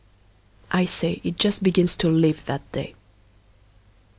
I say it just Begins to live That day.